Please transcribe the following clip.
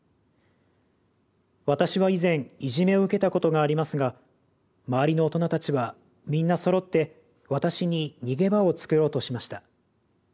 私は以前いじめを受けたことがありますが周りの大人たちはみんなそろって私に逃げ場を作ろうとしました。